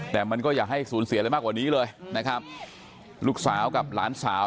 แต่มันก็อย่าให้สูญเสียอะไรมากกว่านี้เลยนะครับลูกสาวกับหลานสาว